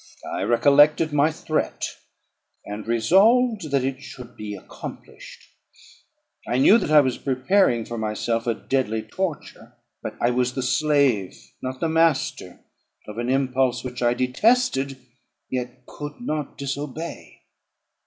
I recollected my threat, and resolved that it should be accomplished. I knew that I was preparing for myself a deadly torture; but I was the slave, not the master, of an impulse, which I detested, yet could not disobey.